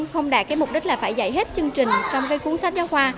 không đạt cái mục đích là phải dạy hết chương trình trong cái cuốn sách giáo khoa